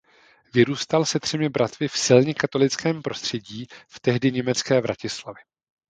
Vyrůstal se třemi bratry v silně katolickém prostředí v tehdy německé Vratislavi.